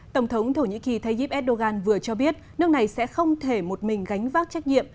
tổng thống thổ nhĩ kỳ tayyip erdogan vừa cho biết nước này sẽ không thể một mình gánh vác trách nhiệm